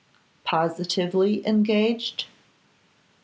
'Positively engaged?